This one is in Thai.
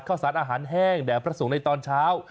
ข้าวสารอาหารแห้งแด่พระสงฆ์ในตอนเช้า